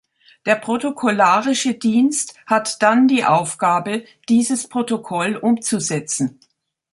Der Protokollarische Dienst hat dann die Aufgabe, dieses Protokoll umzusetzen.